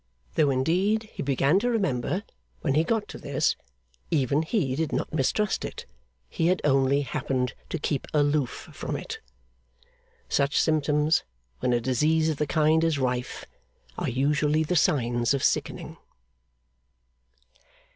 Though indeed he began to remember, when he got to this, even he did not mistrust it; he had only happened to keep aloof from it. Such symptoms, when a disease of the kind is rife, are usually the signs of sickening.